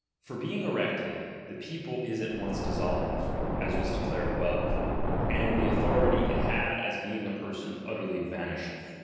T^or being erected, the people is at once dissolved, s*s was declared above, and the authority it had as "beitig a person, utterly vanisheth.